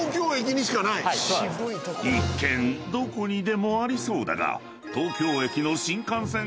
［一見どこにでもありそうだが］